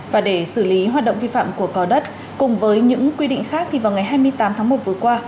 và để xử lý hoạt động vi phạm của cò đất cùng với những quy định khác thì vào ngày hai mươi tám tháng một vừa qua